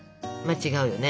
違うよね。